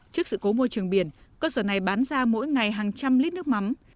trước sự cố môi trường biển cơ sở này bán ra mỗi ngày hàng trăm lít nước mắm